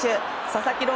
佐々木朗